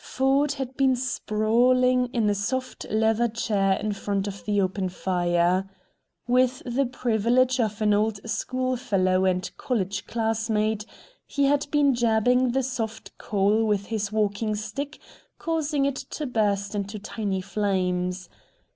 Ford had been sprawling in a soft leather chair in front of the open fire. With the privilege of an old school fellow and college classmate, he had been jabbing the soft coal with his walking stick, causing it to burst into tiny flames.